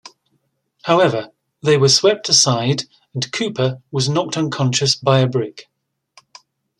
However, they were swept aside and Cooper was knocked unconscious by a brick.